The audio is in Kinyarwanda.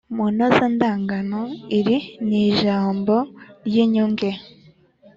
munozandagano: iri ni ijambo ry’inyunge